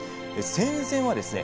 戦前はですね